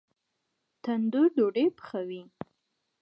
تندور ډوډۍ پخوي